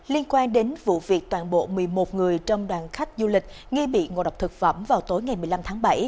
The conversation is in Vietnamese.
liên quan đến vụ việc toàn bộ một mươi một người trong đoàn khách du lịch nghi bị ngộ độc thực phẩm vào tối ngày một mươi năm tháng bảy